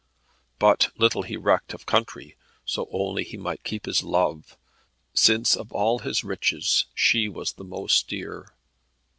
But little he recked of country, so only he might keep his Love, since of all his riches she was the most dear.